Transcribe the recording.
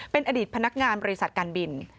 เป็นอดีตพนักงานบริษัทการบิน